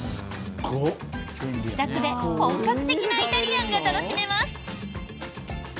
自宅で、本格的なイタリアンが楽しめます。